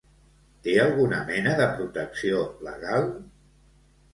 Té alguna mena de protecció legal?